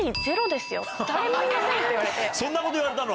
そんなこと言われたの？